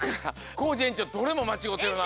コージえんちょうどれもまちごうてるな。